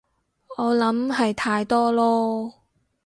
我諗係太多囉